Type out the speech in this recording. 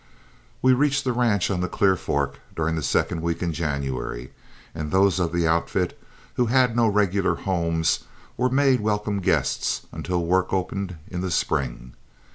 We reached the ranch on the Clear Fork during the second week in January, and those of the outfit who had no regular homes were made welcome guests until work opened in the spring.